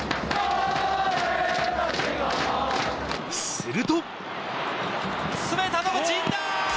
すると。